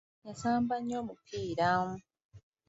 Yaasamba nnyo omupiira.